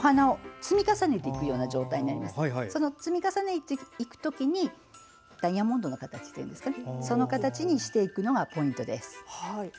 積み重ねていくときにダイヤモンドの形といいますかその形にしていくのがポイントです。